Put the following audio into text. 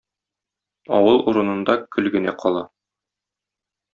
Авыл урынында көл генә кала.